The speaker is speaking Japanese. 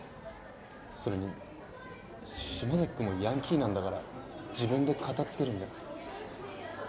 それに島崎君もヤンキーなんだから自分でカタつけるんじゃない？